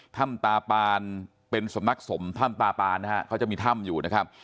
ถ้ำตาปานเป็นสำนักสมถ้ำตาปานนะฮะเขาจะมีถ้ำอยู่นะครับ